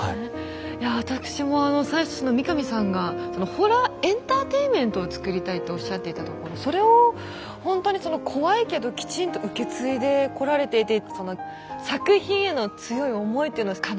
いやわたくしもあの最初三上さんが「ホラーエンターテインメントを作りたい」とおっしゃっていたところそれをほんとに怖いけどきちんと受け継いでこられていて作品への強い思いっていうのをかなり感じました。